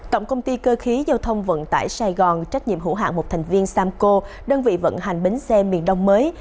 tổng công ty cơ khí giao thông vận tải sài gòn trách nhiệm hữu hạng một thành viên samco đơn vị vận hành bến xe miền đông mới